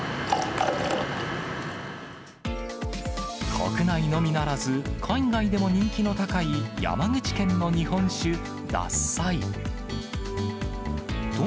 国内のみならず、海外でも人気の高い山口県の日本酒、獺祭。